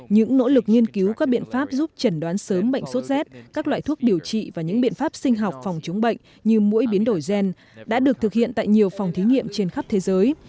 những nỗ lực nghiên cứu các biện pháp giúp chẩn đoán sớm bệnh sốt rét các loại thuốc điều trị và những biện pháp sinh học phòng chống bệnh như mũi biến đổi gen đã được thực hiện tại nhiều phòng thí nghiệm trên khắp thế giới